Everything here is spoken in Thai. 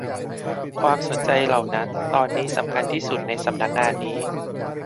ความสนใจเหล่านั้นตอนนี้สำคัญที่สุดในสำนักงานนี้